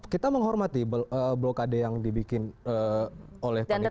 kita menghormati blokade yang dibikin oleh panitia